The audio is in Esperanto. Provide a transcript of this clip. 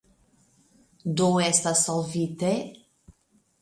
Do estas solvite?